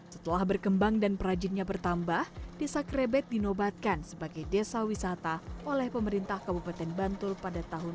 setelah berkembang dan perajinnya bertambah desa krebet dinobatkan sebagai desa wisata oleh pemerintah kabupaten bantul pada tahun dua ribu